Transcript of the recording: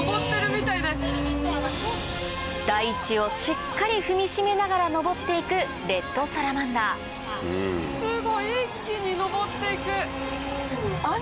大地をしっかり踏みしめながら上っていくレッドサラマンダーすごい一気に上っていく。